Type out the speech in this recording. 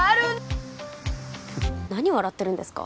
何笑ってるんですか？